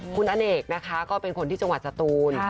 คุณอเนกนะคะก็เป็นคนที่จังหวัดสตูน